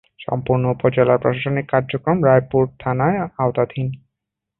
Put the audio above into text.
সম্পূর্ণ উপজেলার প্রশাসনিক কার্যক্রম রায়পুর থানার আওতাধীন।